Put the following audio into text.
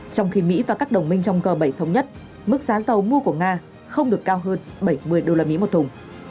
trong khi mỹ và các đồng minh trong g bảy thống nhất mức giá dầu mua của nga không được cao hơn bảy mươi đô la mỹ một thùng